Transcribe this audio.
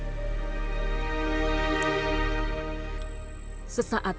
ada suara gemuruh air